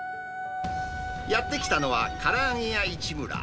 やって来たのはからあげ屋いちむら。